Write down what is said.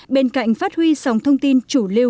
bên cạnh phát huy sòng thông tin chủ liệu